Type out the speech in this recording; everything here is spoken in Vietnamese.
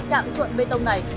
chăn mười gà trồng đấm